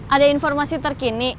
ada informasi terkini